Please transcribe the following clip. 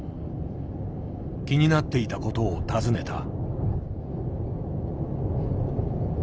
気になっていたことを尋ねた。